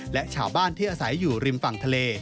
และชาวบ้านที่อาศัยอยู่ริมฝั่งทะเล